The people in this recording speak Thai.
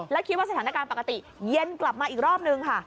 แล้วคิดว่าสถานการณ์ปกติเย็นกลับมาอีกรอบนึงค่ะ